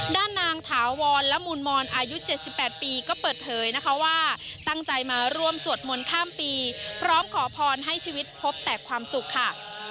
ด้านนางถาวรละมูลมอนอายุ๗๘ปีก็เปิดเผยนะคะว่าตั้งใจมาร่วมสวดมนต์ข้ามปีพร้อมขอพรให้ชีวิตพบแต่ความสุขค่ะ